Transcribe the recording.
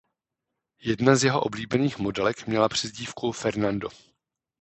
Jedna z jeho oblíbených modelek měla přezdívku "Fernando".